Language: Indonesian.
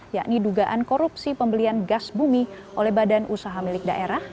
yakni dugaan korupsi pembelian gas bumi oleh badan usaha milik daerah